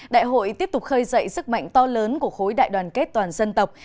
đại hội tiếp tục khơi dậy sức mạnh to lớn của khối đại đoàn kết toàn dân tộc